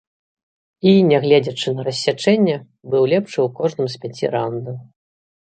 І, нягледзячы на рассячэнне, быў лепшы у кожным з пяці раўндаў.